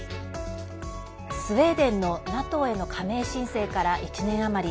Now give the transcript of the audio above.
スウェーデンのＮＡＴＯへの加盟申請から１年余り。